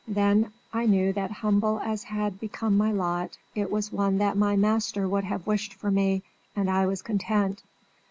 Then I knew that humble as had become my lot it was one that my master would have wished for me, and I was content.